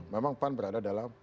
memang pan berada dalam